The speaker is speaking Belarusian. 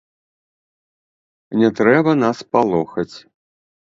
Не трэба нас палохаць.